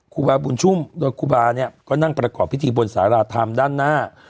ครูบาบุญชุ่มโดยครูบาเนี่ยก็นั่งประกอบพิธีบนสาราธรรมด้านหน้า